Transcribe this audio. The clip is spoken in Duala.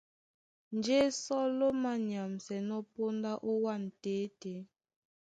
Njé sɔ́ ló manyamsɛnɔ́ póndá ówân tětē.